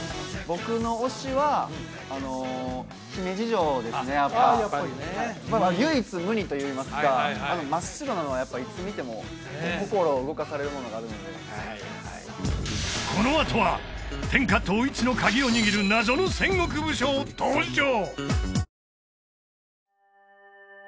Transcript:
僕の推しは姫路城ですねやっぱやっぱりね唯一無二といいますかあの真っ白なのはやっぱいつ見ても心を動かされるものがあるのでこのあとは天下統一のカギを握る謎の戦国武将登場！